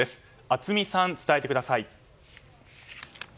熱海さん、伝えてください。